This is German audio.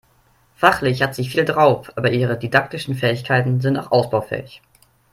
Fachlich hat sie viel drauf, aber ihre Didaktischen Fähigkeiten sind noch ausbaufähig.